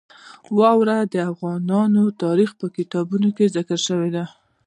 واوره د افغان تاریخ په کتابونو کې ذکر شوې ده.